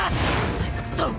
くそっ！